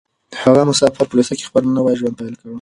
هغه مسافر په روسيه کې خپل نوی ژوند پيل کړ.